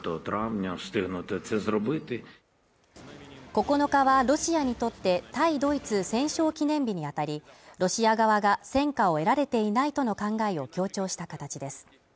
９日はロシアにとって対ドイツ戦勝記念日に当たり、ロシア側が戦果を得られていないとの考えを強調した形です。